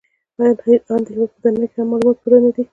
آن د هېوادونو په دننه کې هم معلومات پوره نهدي